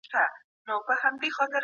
استازي څنګه ډیجیټل رايي ورکوي؟